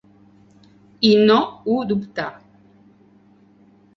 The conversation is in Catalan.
I no ho dubtà.